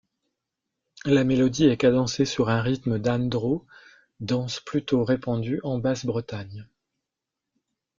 La mélodie est cadencée sur un rythme d'an-dro, danse plutôt répandue en Basse-Bretagne.